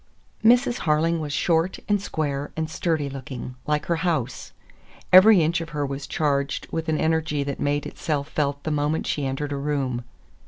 Mrs. Harling was short and square and sturdy looking, like her house. Every inch of her was charged with an energy that made itself felt the moment she entered a room.